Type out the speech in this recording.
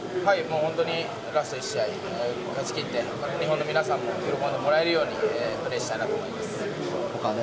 本当にラスト１試合、勝ちきって、日本の皆さんも喜んでもらえるようにプレーしたいなと思います。